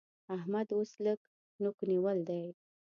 احمد اوس لږ نوک نيول دی